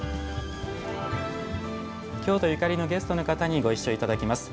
京都ゆかりのゲストの方にご一緒いただきます。